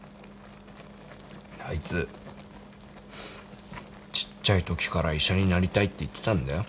あいつちっちゃいときから医者になりたいって言ってたんだよ。